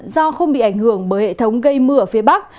do không bị ảnh hưởng bởi hệ thống gây mưa ở phía bắc